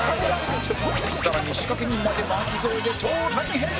更に仕掛人まで巻き添えで超大変！